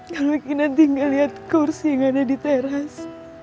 kalau kinanti nggak lihat kursi yang ada di teras